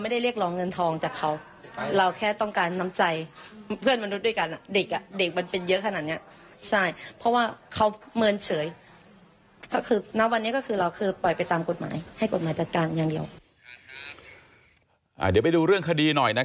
เดี๋ยวไปดูเรื่องคดีหน่อยนะ